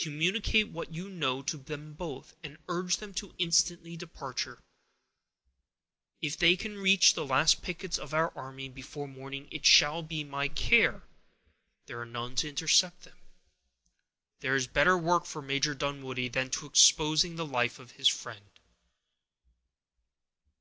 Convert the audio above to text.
Communicate what you know to them both, and urge them to instant departure. If they can reach the last pickets of our army before morning, it shall be my care that there are none to intercept them. There is better work for Major Dunwoodie than to be exposing the life of his friend."